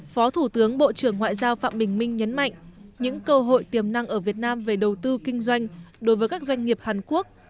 phó thủ tướng bộ trưởng ngoại giao phạm bình minh nhấn mạnh những cơ hội tiềm năng ở việt nam về đầu tư kinh doanh đối với các doanh nghiệp hàn quốc